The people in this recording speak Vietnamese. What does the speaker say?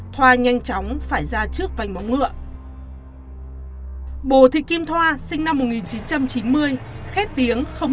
thoa nhanh chóng phải ra trước vành bóng ngựa bồ thị kim thoa sinh năm một nghìn chín trăm chín mươi khét tiếng